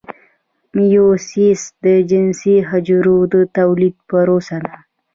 میوسیس د جنسي حجرو د تولید پروسه ده